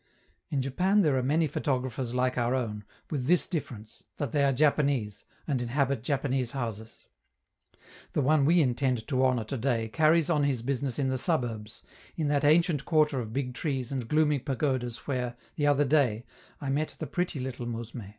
In Japan there are many photographers like our own, with this difference, that they are Japanese, and inhabit Japanese houses. The one we intend to honor to day carries on his business in the suburbs, in that ancient quarter of big trees and gloomy pagodas where, the other day, I met the pretty little mousme.